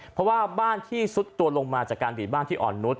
เพราะว่าบ้านที่ซุดตัวลงมาจากการหนีบ้านที่อ่อนนุษย